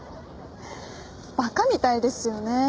馬鹿みたいですよね。